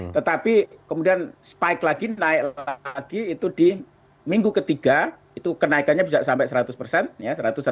tetapi kemudian spike lagi naik lagi itu di minggu ketiga itu kenaikannya bisa sampai seratus persen